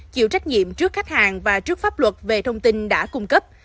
chịu trách nhiệm trước khách hàng và trước pháp luật về thông tin đã cung cấp